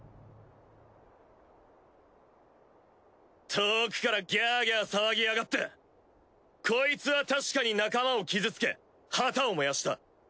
遠くからギャギャ騒ぎやがってコイツは確かに仲間を傷つけ旗を燃やした。